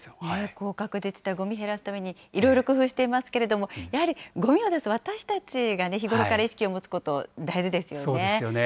こう各自治体ごみを減らすためにいろいろ工夫していますけれども、やはりごみを出す私たちが、日頃から意識を持つこと、大事でそうですよね。